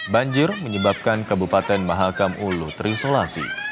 banjir menyebabkan kabupaten mahakam ulu terisolasi